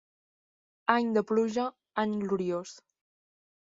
Any de pluja, any gloriós.